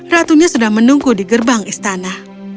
ratunya sudah menunggu di gerbang istana